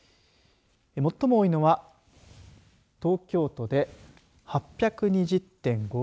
最も多いのは東京都で８２０．５６人。